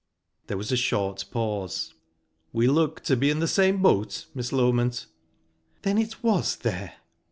There was a short pause. "We look to be in the same boat, Miss Loment." "Then it was there?"